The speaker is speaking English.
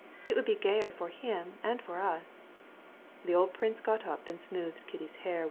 "It would be nicer for him and for us too." The old prince got up and stroked Kitty's hair.